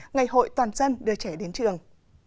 ngày hội toàn dân đưa trẻ đến trường